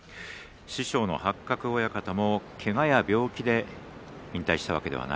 師匠の八角親方もけがや病気で引退したわけではない。